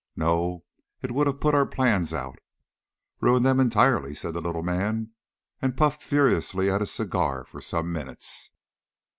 "No, it would have put our plans out." "Ruined them entirely," said the little man, and puffed furiously at his cigar for some minutes.